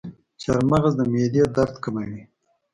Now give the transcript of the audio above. چارمغز د معدې درد کموي.